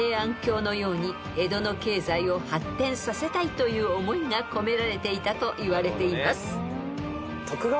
［という思いが込められていたといわれています］